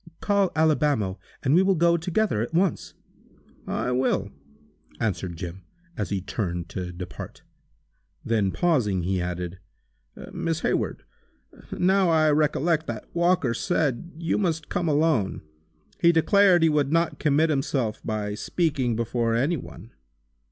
Call Alibamo, and we will go together, at once!" "I will," answered Jim, as he turned to depart. Then pausing, he added: "Miss Hayward, now I recollect that Walker said you must come alone. He declared he would not commit himself by speaking before any one."